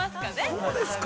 そうですか。